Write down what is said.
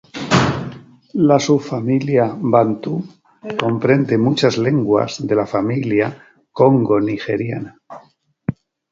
La subfamilia bantú comprende muchas lenguas de la familia congo-nigeriana.